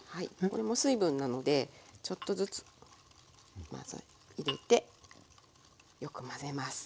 これも水分なのでちょっとずつ混ぜ入れてよく混ぜます。